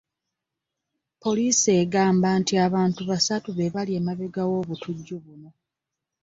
Poliisi egamba nti abantu basatu be bali emabega w'obutujju buno.